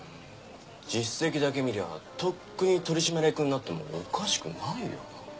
実績だけ見りゃとっくに取締役になってもおかしくないよな。